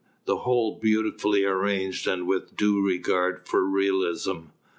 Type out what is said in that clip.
The whole beautifully arranged and with due regard for realism.